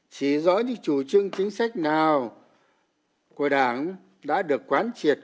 chỉ rõ những chủ trương chính sách nào của đảng đã được quán triệt